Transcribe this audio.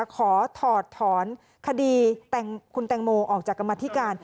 ขอถอดถอนคดีคุณแตงโมออกจากกรรมธิการ